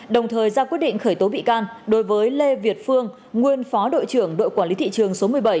đồng thời ra quyết định khởi tố bị can đối với lê việt phương nguyên phó đội trưởng đội quản lý thị trường số một mươi bảy